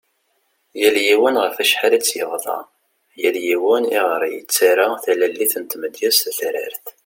Yal yiwen ɣef acḥal i tt-yebḍa, yal yiwen i ɣer yettara talalit n tmedyazt tatrart .